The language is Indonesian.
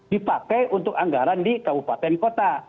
dipakai untuk anggaran di kabupaten kota